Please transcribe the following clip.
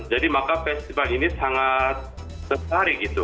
jadi maka festival ini sangat sesari gitu